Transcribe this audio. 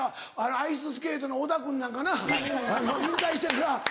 アイススケートの織田君なんかな引退してから。